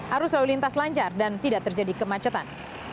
arus lalu lintas lancar dan tidak terjadi kemacetan